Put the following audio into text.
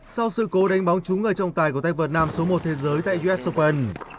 sau sự cố đánh bóng trúng người trọng tài của tay vợ nam số một thế giới tại us sopen